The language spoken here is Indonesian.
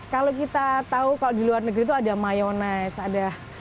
kalau kita tahu kalau di luar negeri itu ada mayonese ada